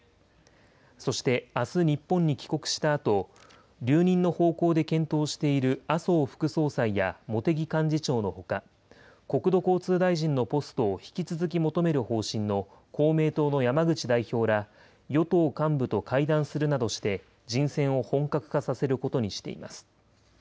そして、あす日本に帰国したあと、留任の方向で検討している麻生副総裁や茂木幹事長のほか、国土交通大臣のポストを引き続き求める方針の公明党の山口代表ら与党幹部と会談するなどして、人選を本格化させることにしています。